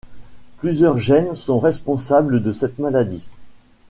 Plusieurs gènes sont responsables de cette maladie.